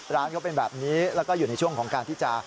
ร้านเขาเป็นแบบนี้แล้วก็อยู่ในช่วงของการที่จะ